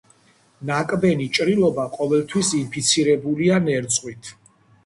ნაკბენი ჭრილობა ყოველთვის ინფიცირებულია ნერწყვით.